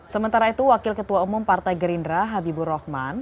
sementara itu wakil ketua umum partai gerindra habibur rahman